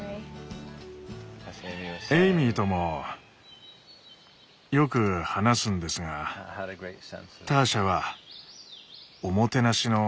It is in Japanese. エイミーともよく話すんですがターシャは「おもてなしの達人」でした。